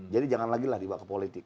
jadi jangan lagi lah dibawa ke politik